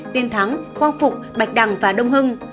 tiên thắng quang phục bạch đằng và đông hưng